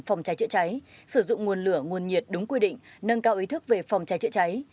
phòng cháy chữa cháy sử dụng nguồn lửa nguồn nhiệt đúng quy định nâng cao ý thức về phòng cháy chữa cháy